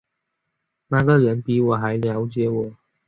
那个人比我还瞭解我